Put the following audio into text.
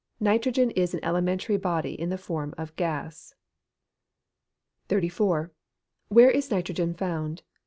_ Nitrogen is an elementary body in the form of gas. 34. _Where is nitrogen found?